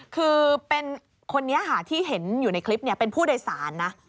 คือเป็นคนนี้ค่ะที่เห็นอยู่ในคลิปเป็นผู้โดยสารนะ